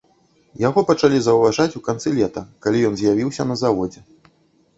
Яго пачалі заўважаць у канцы лета, калі ён з'явіўся на заводзе.